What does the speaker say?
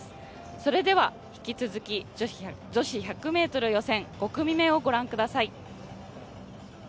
それでは、引き続き女子１００ｍ予選、５組目をご覧ください。